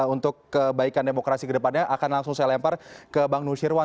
untuk kebaikan demokrasi kedepannya akan langsung saya lempar ke bang nusyirwan